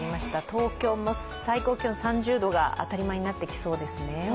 東京も最高気温３０度が当たり前になってきそうですね。